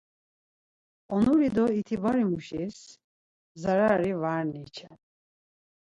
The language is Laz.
Onuri do itibarimuşis zarari var niçen.